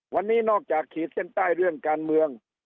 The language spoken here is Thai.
วันนี้นอกจากขีดเส้นใต้เรื่องการเมือง